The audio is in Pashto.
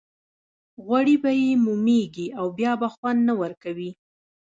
غوړي به یې مومېږي او بیا به خوند نه ورکوي.